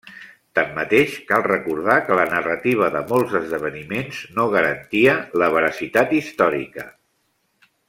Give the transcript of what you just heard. Tanmateix, cal recordar que la narrativa de molts esdeveniments no garantia la veracitat històrica.